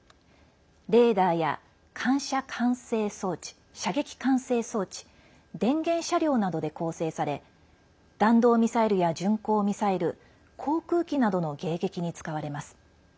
レーダーや射撃管制装置電源車両などで構成され弾道ミサイルや巡航ミサイル航空機などの迎撃に使われます。